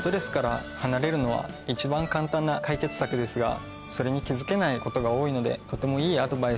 のは一番簡単な解決策ですがそれに気付けないことが多いのでとてもいいアドバイス。